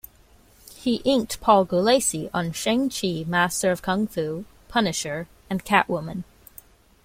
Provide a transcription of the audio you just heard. He inked Paul Gulacy on "Shang-Chi: Master of Kung Fu", "Punisher" and Catwoman.